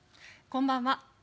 こんばんは。